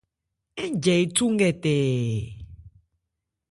Ńjɛ ethú nkɛ tɛɛ.